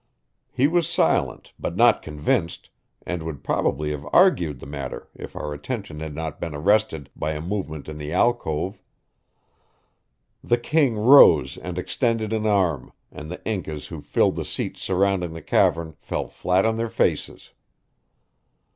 He was silent, but not convinced, and would probably have argued the matter if our attention had not been arrested by a movement in the alcove. The king rose and extended an arm, and the Incas who filled the seats surrounding the cavern fell flat on their faces.